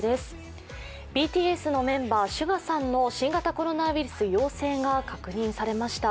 ＢＴＳのメンバーＳＵＧＡさんの新型コロナウイルス陽性が分かりました。